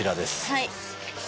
はい。